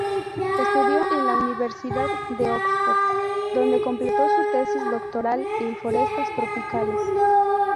Estudió en la Universidad de Oxford donde completó su tesis doctoral en forestas tropicales.